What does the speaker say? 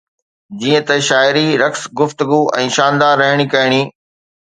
جيئن ته شاعري، رقص، گفتگو ۽ شاندار رهڻي ڪهڻي